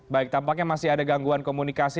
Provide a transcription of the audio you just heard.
baik tampaknya masih ada gangguan komunikasi